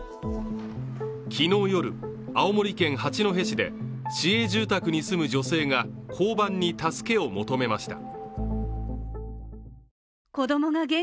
昨日夜、青森県八戸市で市営住宅に住む女性が交番に助けを求めました。